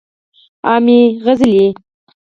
عامې سندرې